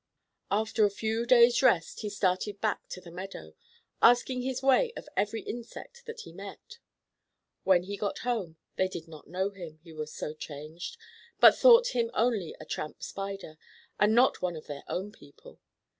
After a few days' rest he started back to the meadow, asking his way of every insect that he met. When he got home they did not know him, he was so changed, but thought him only a tramp Spider, and not one of their own people.